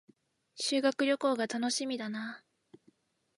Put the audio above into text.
修学旅行が楽しみだな